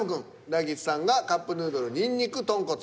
大吉さんが「カップヌードルにんにく豚骨」。